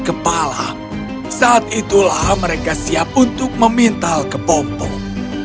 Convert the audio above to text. kepala saat itulah mereka siap untuk memintal kepompong